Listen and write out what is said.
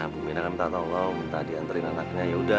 bu mina minta tolong minta diantriin anaknya